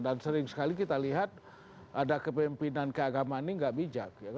dan sering sekali kita lihat ada kepemimpinan keagamaan ini tidak bijak